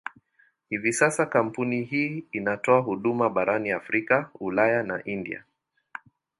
Hivi sasa kampuni hii inatoa huduma barani Afrika, Ulaya na India.